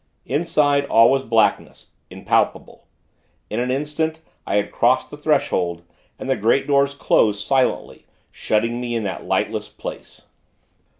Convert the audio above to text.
Inside, all was blackness, impalpable. In an instant, I had crossed the threshold, and the great doors closed, silently, shutting me in that lightless place.